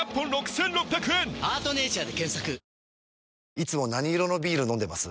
いつも何色のビール飲んでます？